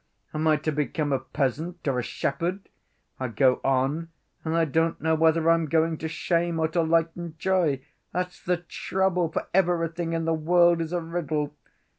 Am I to become a peasant or a shepherd? I go on and I don't know whether I'm going to shame or to light and joy. That's the trouble, for everything in the world is a riddle!